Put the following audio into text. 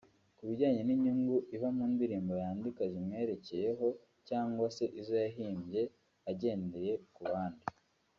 Ku bijyanye n’inyungu iva mu ndirimbo yandika zimwerekeyeho cyangwa se izo yahimbye agendeye ku bandi